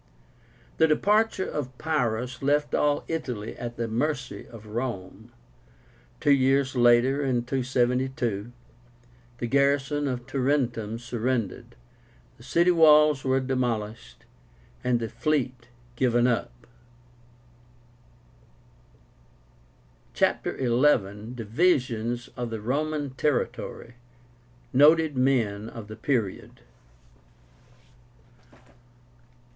The departure of Pyrrhus left all Italy at the mercy of Rome. Two years later, in 272, the garrison at Tarentum surrendered, the city walls were demolished, and the fleet given up. CHAPTER XI. DIVISIONS OF THE ROMAN TERRITORY. NOTED MEN OF THE PERIOD.